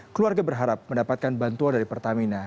keluarga berharap mendapatkan bantuan dari pertamina